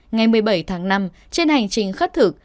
ngày một mươi bảy tháng năm trên hành trình khất thực